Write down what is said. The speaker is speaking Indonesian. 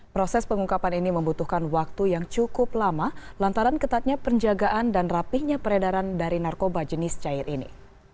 proses pengungkapan ini membutuhkan waktu yang cukup lama lantaran ketatnya penjagaan dan rapihnya peredaran dari narkoba jenis cair ini